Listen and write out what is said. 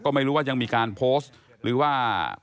ก็ไม่รู้ว่ายังมีการโพสต์